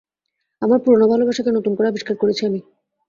আমার পুরোনো ভালাবাসাকে নতুন করে আবিষ্কার করেছি আমি।